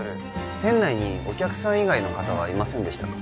店内にお客さん以外の方はいませんでしたか？